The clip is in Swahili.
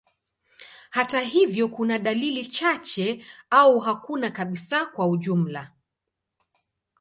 Hata hivyo, kuna dalili chache au hakuna kabisa kwa ujumla.